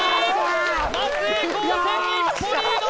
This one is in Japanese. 松江高専一歩リード！